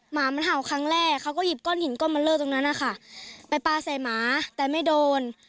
หมามันเห่าครั้งแรกเขาก็หยิบก้อนหินก้อนมันเลอร์ตรงนั้นนะคะไปปลาใส่หมาแต่ไม่โดน